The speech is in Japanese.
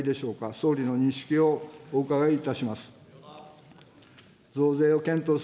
総理の認識をお伺いいたします。